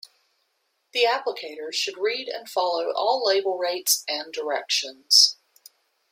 The applicator should read and follow all label rates and directions.